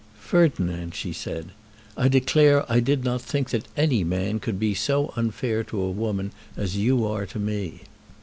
"Ferdinand," she said, "I declare I did not think that any man could be so unfair to a woman as you are to me."